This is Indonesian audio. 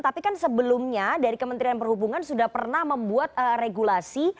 tapi kan sebelumnya dari kementerian perhubungan sudah pernah membuat regulasi